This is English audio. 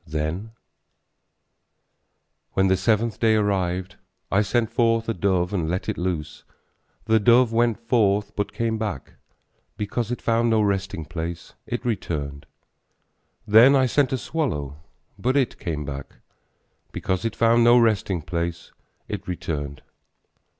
Then, When the seventh day arrived, I sent forth a dove and let it loose, The dove went forth, but came back; Because it found no resting place, it returned: Then I sent forth a swallow, but it came back; Because it found no resting place, it returned.